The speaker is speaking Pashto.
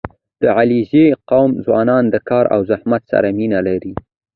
• د علیزي قوم ځوانان د کار او زحمت سره مینه لري.